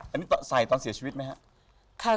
อันนี้ใส่ตอนเสียชีวิตไหมครับ